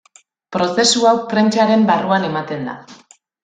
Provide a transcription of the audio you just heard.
Prozesu hau prentsaren barruan ematen da.